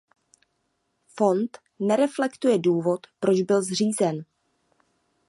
Fond nereflektuje důvod, proč byl zřízen.